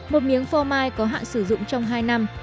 một miếng phô mai có hạn sử dụng trong hai năm